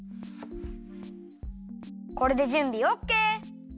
これでじゅんびオッケー。